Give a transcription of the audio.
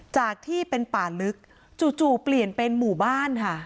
จากที่เป็นป่าลึกจู่เปลี่ยนเป็นหมู่บ้านค่ะ